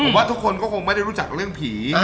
ผมว่าทุกคนก็คงไม่ได้รู้จักเรื่องผี